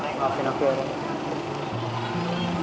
ayo ga kaya gitu ya untuk wdn